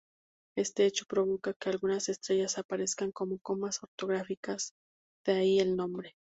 Este hecho provoca que algunas estrellas aparezcan como comas ortográficas, de ahí el nombre.